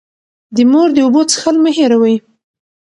د مور د اوبو څښل مه هېروئ.